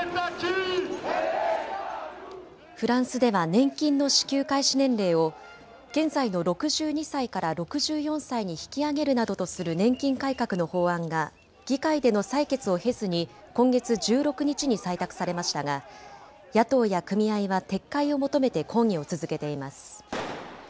フランスでは年金の支給開始年齢を現在の６２歳から６４歳に引き上げるなどとする年金改革の法案が議会での採決を経ずに今月１６日に採択されましたが野党や組合は撤回を求めて抗議を続けています。